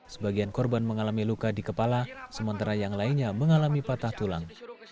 sebagian korban mengalami luka di kepala sementara yang lainnya mengalami patah tulang